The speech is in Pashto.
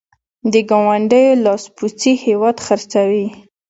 د ګاونډیو لاسپوڅي هېواد خرڅوي.